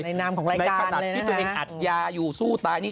ในขณะที่ตัวเองอัดยาอยู่สู้ตายนี่